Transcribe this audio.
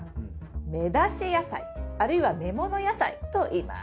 芽出し野菜あるいは芽もの野菜といいます。